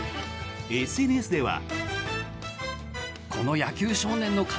ＳＮＳでは。